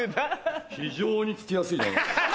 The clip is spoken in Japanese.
非常につきやすいなぁ。